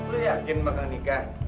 lu yakin bakal nikah